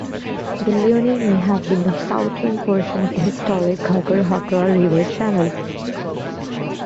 The Luni may have been the southern portion of the historic Ghaggar-Hakra river channel.